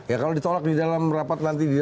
ya kalau ditolak di dalam rapat nanti